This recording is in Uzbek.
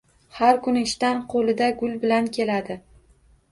Har kuni ishdan qo`lida gul bilan keladi